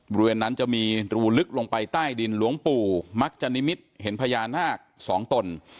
บริเวณนั้นจะมีรูลึกลงไปใต้ดินหลวงปู่มักจะนิมิตเห็นพญานาคสองตน